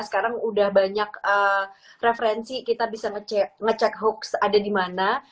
sekarang udah banyak referensi kita bisa ngecek hoax ada di mana